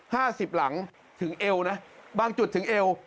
ห้าสิบหลังถึงเอวนะบางจุดถึงเอว